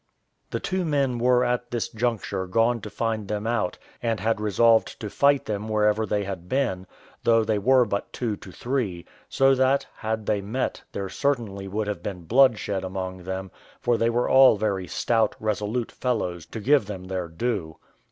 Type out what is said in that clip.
The two men were at this juncture gone to find them out, and had resolved to fight them wherever they had been, though they were but two to three; so that, had they met, there certainly would have been blood shed among them, for they were all very stout, resolute fellows, to give them their due.